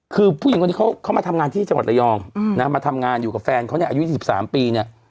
คือผู้หญิงคนนี้เขามาทำงานที่จังหวัดระยองนะมาทำงานอยู่กับแฟนเขาเนี่ยอายุ๒๓ปีเนี่ย